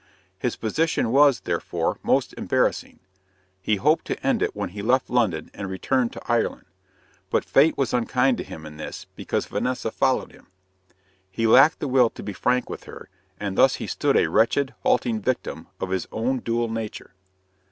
His position was, therefore, most embarrassing. He hoped to end it when he left London and returned to Ireland; but fate was unkind to him in this, because Vanessa followed him. He lacked the will to be frank with her, and thus he stood a wretched, halting victim of his own dual nature.